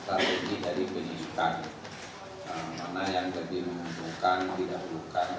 terima kasih mario bahwa apakah ini kemudiannya memang diisai secara khusus harus diikjad dulu